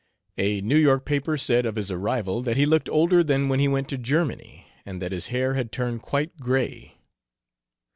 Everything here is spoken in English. A New York paper said of his arrival that he looked older than when he went to Germany, and that his hair had turned quite gray.